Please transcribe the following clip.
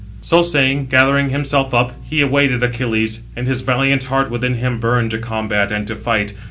So saying, gathering himself up, 693 he awaited Achilles; and his valiant heart within him burned to combat and to fight.